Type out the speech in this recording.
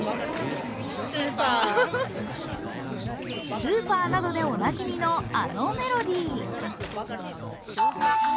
スーパーなどでおなじみの、あのメロディー。